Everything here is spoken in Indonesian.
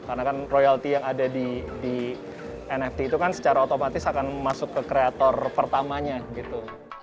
karena kan royalty yang ada di nft itu kan secara otomatis akan masuk ke kreator pertamanya gitu